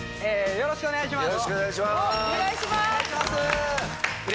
よろしくお願いします。